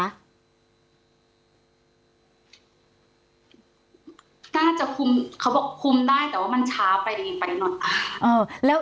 น่าจะคุมเขาบอกคุมได้แต่ว่ามันช้าไปนิดนึงไปหน่อย